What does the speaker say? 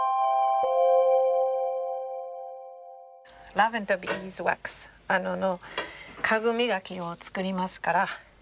ラベンダービーズワックスの家具磨きを作りますから。